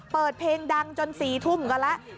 เปิดเพลงดังจน๔ทุ่มกันแล้ว